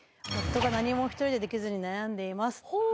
夫が何も１人でできずに悩んでいます。